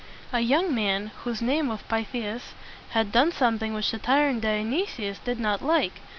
A young man whose name was Pyth´i as had done something which the tyrant Dionysius did not like.